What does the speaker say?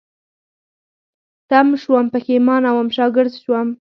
تم شوم، پيښمانه وم، شاګرځ شوم